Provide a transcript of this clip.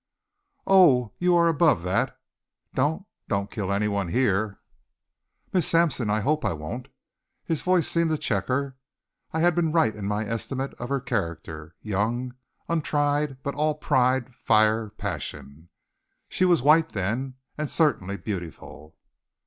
"Oh, you are above that. Don't don't kill any one here!" "Miss Sampson, I hope I won't." His voice seemed to check her. I had been right in my estimate of her character young, untried, but all pride, fire, passion. She was white then, and certainly beautiful.